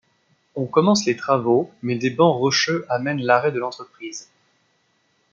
On commence les travaux mais des bancs rocheux amènent l'arrêt de l'entreprise.